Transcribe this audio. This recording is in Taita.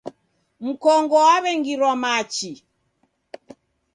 Mkongo waw'engirwa machi.